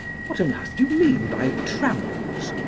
What on earth do you mean by trammels?